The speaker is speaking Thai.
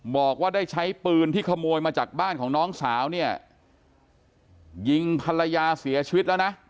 บอกว่าได้ใช้ปืนที่ขโมยมาจากบ้านของน้องสาวเนี่ยยิงภรรยาเสียชีวิตแล้วนะ